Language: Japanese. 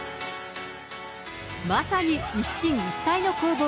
まさに一進一退の攻防。